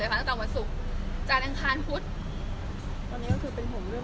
มันเหมือนกับการเลี้ยงลูกที่เขามีวิธีการเลี้ยงหลานอีกกลางหนึ่ง